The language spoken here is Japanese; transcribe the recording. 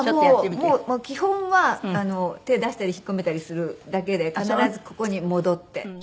もう基本は手出したり引っ込めたりするだけで必ずここに戻って。